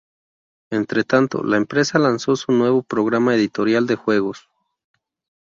Entretanto, la empresa lanzó su nuevo programa editorial de juegos.